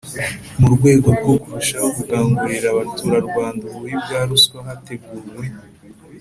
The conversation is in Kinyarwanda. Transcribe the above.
Mu rwego rwo kurushaho gukangurira Abaturarwanda ububi bwa ruswa hateguwe